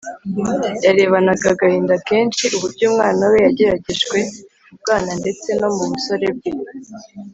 Yarebanaga agahinda kenshi uburyo umwana we yageragejwe mu bwana ndetse no mu busore bwe